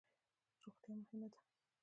روغتیا مهمه ده